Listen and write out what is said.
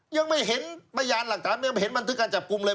ยังไม่เห็นพยานหลักฐานยังไม่เห็นบันทึกการจับกลุ่มเลย